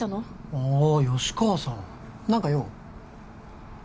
ああ吉川さん何か用？